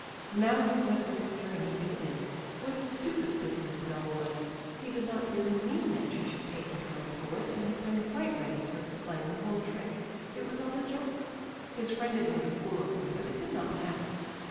Now his head was clear and he could think. What a stupid business it all was! He did not really mean that she should take him for a poet, and had been quite ready to explain the whole trick. It was all a joke. His friend had made a fool of him, but it did not matter.